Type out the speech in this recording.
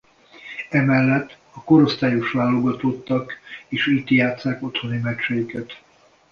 Emellett a korosztályos válogatottak is itt játsszák otthoni meccseiket.